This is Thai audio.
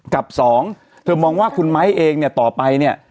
กับสองเธอมองว่าคุณไม้เองเนี่ยต่อไปเนี่ย